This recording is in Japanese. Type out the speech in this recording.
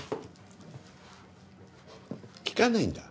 聞かないんだ。